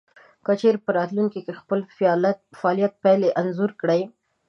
که چېرې په راتلونکې کې د خپل فعاليت پايلې انځور کړئ.